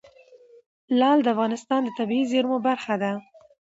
لعل د افغانستان د طبیعي زیرمو برخه ده.